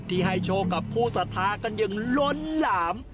ที่ให้โชคกับผู้สัทธากันอย่างล้นหลาม